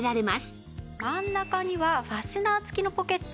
真ん中にはファスナー付きのポケット。